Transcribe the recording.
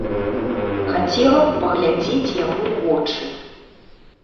Хацела б паглядзець яму ў вочы.